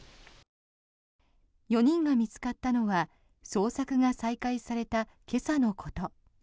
４人が見つかったのは捜索が再開された今朝のこと。